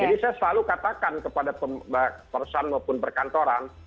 jadi saya selalu katakan kepada perusahaan maupun perkantoran